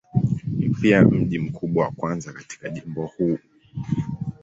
Ni pia mji mkubwa wa kwanza katika jimbo huu.